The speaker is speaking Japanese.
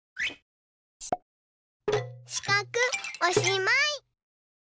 しかくおしまい。